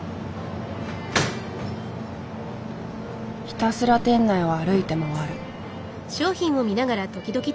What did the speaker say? ひたすら店内を歩いて回る。